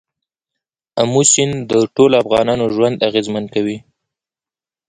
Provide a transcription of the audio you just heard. آمو سیند د ټولو افغانانو ژوند اغېزمن کوي.